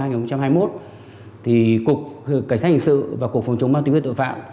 cục cảnh sát hình sự và cục phòng chống mao tình biệt tội phạm